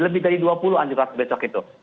lebih dari dua puluh asli unjuk rasa besok itu